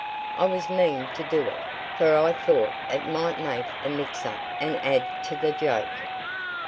I was mean to do it, for I thought it might make a mix up and add to the joke."